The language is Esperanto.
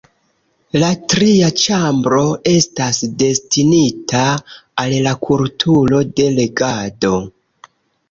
La tria ĉambro estas destinita al la kulturo de legado.